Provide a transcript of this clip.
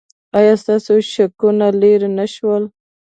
ایا ستاسو شکونه لرې نه شول؟